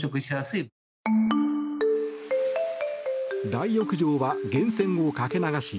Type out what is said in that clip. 大浴場は源泉をかけ流し